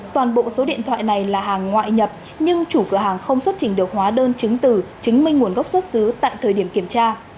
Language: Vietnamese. toàn bộ số điện thoại này là hàng ngoại nhập nhưng chủ cửa hàng không xuất trình được hóa đơn chứng từ chứng minh nguồn gốc xuất xứ tại thời điểm kiểm tra